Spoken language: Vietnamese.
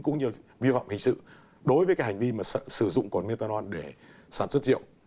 cũng như vi phạm hình sự đối với hành vi sử dụng quản methanol để sản xuất rượu